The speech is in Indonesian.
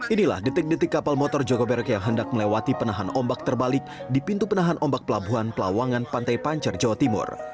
inilah detik detik kapal motor jogo berek yang hendak melewati penahan ombak terbalik di pintu penahan ombak pelabuhan pelawangan pantai pancar jawa timur